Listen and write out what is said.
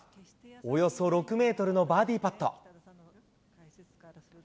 およそ６メートルのバーディーパット。